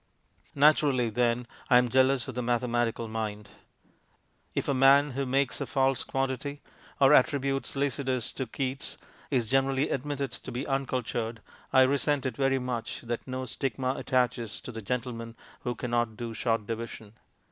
Naturally, then, I am jealous for the mathematical mind. If a man who makes a false quantity, or attributes Lycidas to Keats, is generally admitted to be uncultured, I resent it very much that no stigma attaches to the gentleman who cannot do short division.